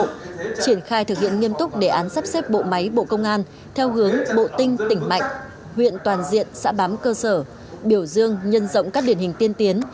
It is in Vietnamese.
triển khai thực hiện nghiêm túc đề án sắp xếp bộ máy bộ công an theo hướng bộ tinh tỉnh mạnh huyện toàn diện xã bám cơ sở biểu dương nhân rộng các điển hình tiên tiến